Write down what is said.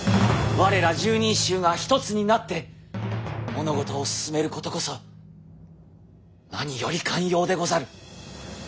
我ら十人衆が一つになって物事を進めることこそ何より肝要でござる。